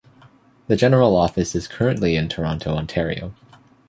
The General Office is currently in Toronto, Ontario.